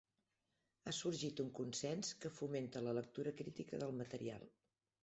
Ha sorgit un consens que fomenta la lectura crítica del material.